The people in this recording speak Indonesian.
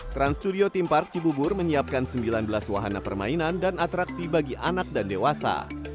trans studio theme park cibubur menyiapkan sembilan belas wahana permainan dan atraksi bagi anak dan dewasa